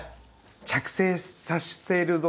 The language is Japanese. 「着生させるぞ！